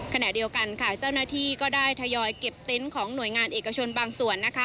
ขณะเดียวกันค่ะเจ้าหน้าที่ก็ได้ทยอยเก็บเต็นต์ของหน่วยงานเอกชนบางส่วน